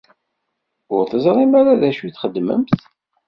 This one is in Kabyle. Ur teẓrimt ara d acu i txedmemt?